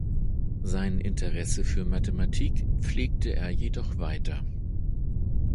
Sein Interesse für Mathematik pflegte er jedoch weiter.